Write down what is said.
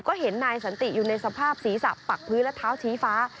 ก็เห็นนายสันติอยู่ในสภาพศีรษะปักพื้นและเท้าชี้ฟ้า